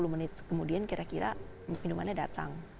sepuluh menit kemudian kira kira minumannya datang